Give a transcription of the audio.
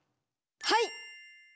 はい！